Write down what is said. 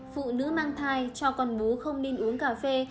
phụ nữ mang thai cho con bú không nên uống cà phê